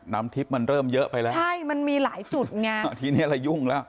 น้ำทิปมันเริ่มเยอะไปแล้วใช่มันมีหลายจุดมันอยู่แล้ว